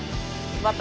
また。